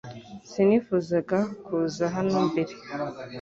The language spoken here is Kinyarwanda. Sinifuzaga kuza hano mbere